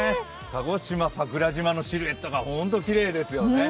鹿児島、桜島のシルエットが本当にきれいですよね。